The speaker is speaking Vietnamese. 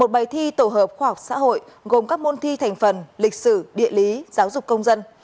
một bài thi tổ hợp khoa học xã hội gồm các môn thi thành phần lịch sử địa lý giáo dục công dân